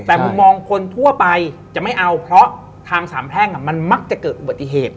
แต่มุมมองคนทั่วไปจะไม่เอาเพราะทางสามแพร่งมันมักจะเกิดอุบัติเหตุ